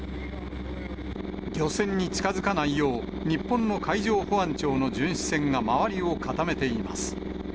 漁船に近づかないよう、日本の海上保安庁の巡視船が周りを固めています。